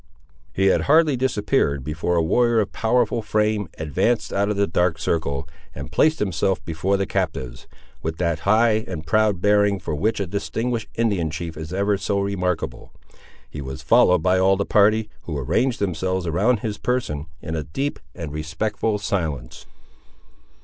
He had hardly disappeared before a warrior of powerful frame advanced out of the dark circle, and placed himself before the captives, with that high and proud bearing for which a distinguished Indian chief is ever so remarkable. He was followed by all the party, who arranged themselves around his person, in a deep and respectful silence.